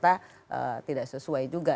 ternyata tidak sesuai juga